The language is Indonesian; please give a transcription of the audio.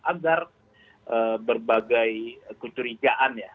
agar berbagai kecurigaan ya